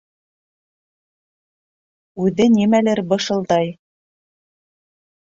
Үҙе нимәлер бышылдай.